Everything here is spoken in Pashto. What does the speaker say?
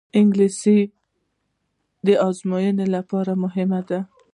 انګلیسي د ازموینو لپاره مهمه ده